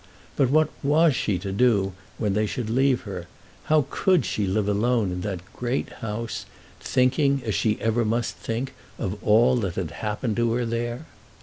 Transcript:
But what was she to do when they should leave her? How could she live alone in that great house, thinking, as she ever must think, of all that had happened to her there?